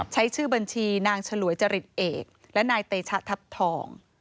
ชื่อบัญชีนางฉลวยจริตเอกและนายเตชะทัพทอง